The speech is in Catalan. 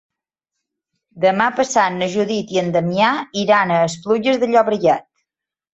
Demà passat na Judit i en Damià iran a Esplugues de Llobregat.